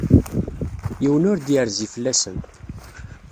Yiwen ur d-yerzi fell-asen.